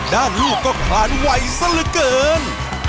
ด้านลูกก็ขาดไหวซะเหลือเกิน